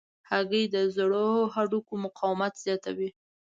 هګۍ د زړو هډوکو مقاومت زیاتوي.